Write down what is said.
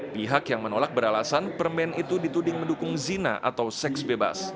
pihak yang menolak beralasan permen itu dituding mendukung zina atau seks bebas